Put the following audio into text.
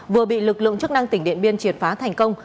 vừa bị lực lượng chức năng tỉnh điện biên triệt phá thành công